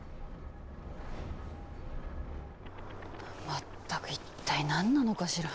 まったく一体何なのかしら。